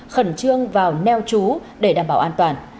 khẩn trương vào neo chú để đảm bảo an toàn